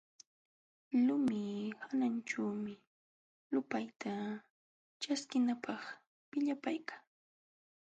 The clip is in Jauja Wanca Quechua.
Lumi hananćhuumi lupayta ćhaskinanapq pillatayka.